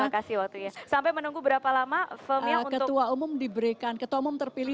karena tadi dikunci atau terkunci